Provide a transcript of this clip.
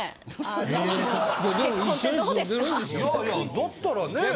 だったらねぇ。